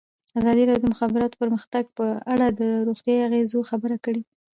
ازادي راډیو د د مخابراتو پرمختګ په اړه د روغتیایي اغېزو خبره کړې.